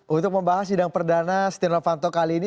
untuk membahas sidang perdana setia novanto kali ini